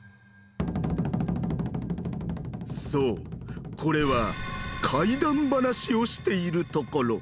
そうこれは怪談話をしているところ。